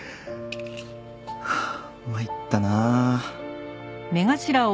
はあ参ったなあ。